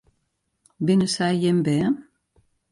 Binne sy jim bern?